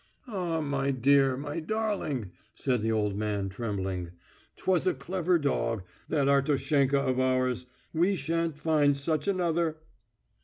"Ah, my dear, my darling," said the old man, trembling. "'Twas a clever dog ... that Artoshenka of ours. We shan't find such another...."